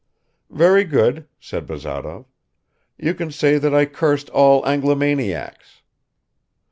"Very good," said Bazarov. "You can say that I cursed all Anglomaniacs."